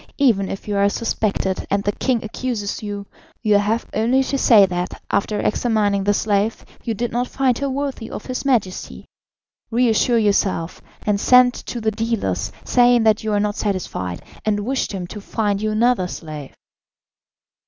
Even if you are suspected and the king accuses you, you have only to say that, after examining the slave, you did not find her worthy of his Majesty. Reassure yourself, and send to the dealers, saying that you are not satisfied, and wish them to find you another slave."